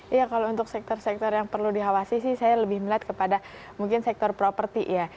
iya kalau untuk sektor sektor yang perlu diawasi sih saya lebih melihat kepada mungkin sektor properti ya